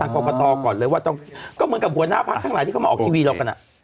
ก็เหมือนกับหัวหน้าภาคข้างล่างที่เขามาออกทีวีเรากันอ่ะ